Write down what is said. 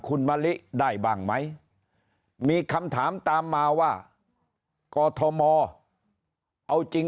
คุณมะลิได้บ้างไหมมีคำถามตามมาว่ากอทมเอาจริง